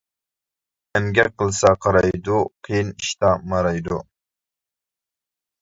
ئەمگەك قىلسا قارايدۇ، قىيىن ئىشتا مارايدۇ.